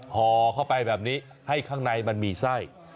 ห่อเข้าไปแบบนี้ให้ข้างในมันมีไส้